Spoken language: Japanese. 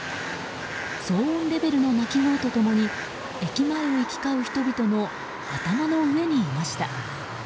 騒音レベルの鳴き声と共に駅前を行き交う人々の頭の上にいました。